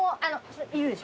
いるでしょ？